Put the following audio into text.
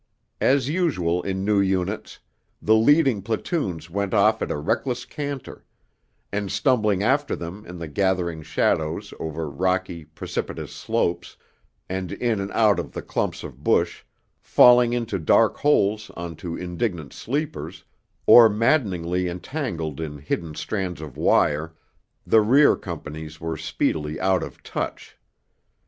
As usual in new units, the leading platoons went off at a reckless canter, and stumbling after them in the gathering shadows over rocky, precipitous slopes, and in and out of the clumps of bush, falling in dark holes on to indignant sleepers, or maddeningly entangled in hidden strands of wire, the rear companies were speedily out of touch.